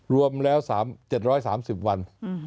รวมแล้ว๗๓๐วัน